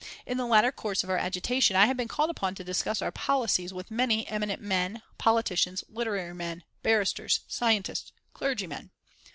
In the latter course of our agitation I have been called upon to discuss our policies with many eminent men, politicians, literary men, barristers, scientists, clergymen.